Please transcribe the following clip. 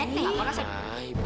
udah udah ibu